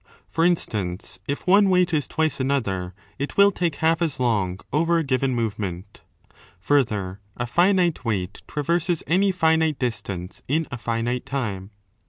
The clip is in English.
For instance, if one weight is twice another, it will take half as long over a given move ment. Further,a finite weight traverses any finite distance in a finite time.